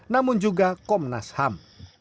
namun juga komnas ham